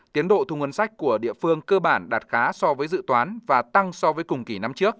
tiến độ thu ngân sách của địa phương cơ bản đạt khá so với dự toán và tăng so với cùng kỷ năm trước